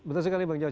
betul sekali bang yos